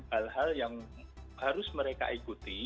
hal hal yang harus mereka ikuti